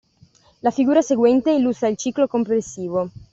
La figura seguente illustra il ciclo complessivo.